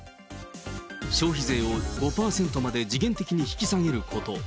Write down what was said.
消費税を５％まで時限的に引き下げること。